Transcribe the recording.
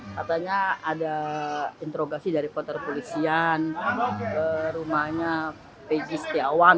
katanya ada interogasi dari kota kulisian ke rumahnya peggy setiawan